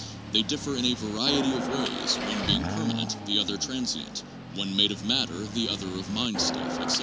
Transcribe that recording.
They differ in a variety of ways, one being permanent, the other transient; one made of matter, the other of mind stuff, etc.